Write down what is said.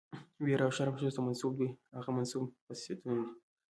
ويره او شرم ښځو ته منسوب دوه هغه منسوب خصوصيتونه دي،